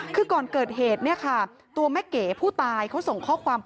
คือก่อนเกิดเหตุเนี่ยค่ะ